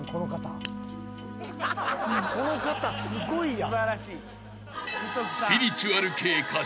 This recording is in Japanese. この方すごいやん！